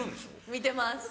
見てます。